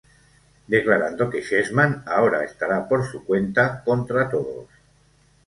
Declarando que Chessman ahora estará por su cuenta, contra todos.